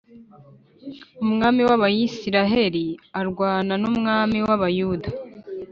Umwami w Abisirayeli arwana n’umwami w Abayuda